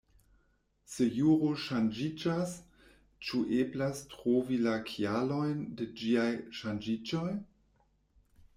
Se juro ŝanĝiĝas, ĉu eblas trovi la kialojn de ĝiaj ŝanĝiĝoj?